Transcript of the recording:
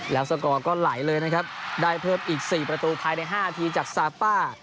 แล้วสกอร์ก็ไหลเลยนะครับได้เพิ่มอีก๔ประตูภายใน๕นาทีจากซาป้า